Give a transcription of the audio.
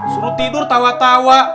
suruh tidur tawa tawa